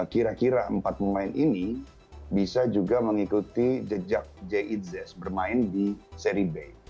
kira kira empat pemain ini bisa juga mengikuti jejak j iz bermain di seri b